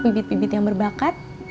bibit bibit yang berbakat